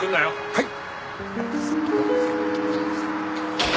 はい。